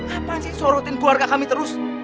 apa sih sorotin keluarga kami terus